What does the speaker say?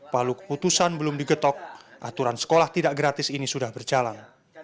palu keputusan belum digetok aturan sekolah tidak gratis ini sudah berjalan